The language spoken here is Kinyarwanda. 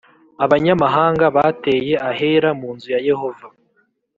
abanyamahanga bateye ahera mu nzu ya Yehova